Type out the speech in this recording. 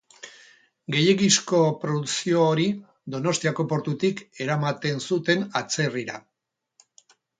Gehiegizko produkzio hori Donostiako portutik eramaten zuten atzerrira.